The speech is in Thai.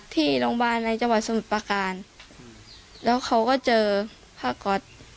ที่โรงพยาบาลในจังหวัดสมุทรประการแล้วเขาก็เจอผ้าก๊อต